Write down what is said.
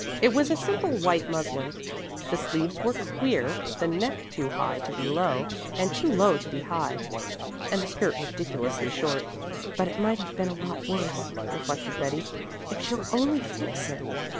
It was a simple white muslin. The sleeves were queer, the neck too high to be low and too low to be high, and the skirt ridiculously short. "But it might have been a lot worse," reflected Betty. "If she'll only fix it!"